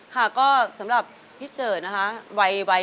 ค่ะก็สำหรับพี่เจิดนะคะ